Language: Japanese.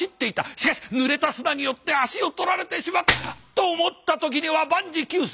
しかしぬれた砂によって足を取られてしまった。と思った時には万事休す。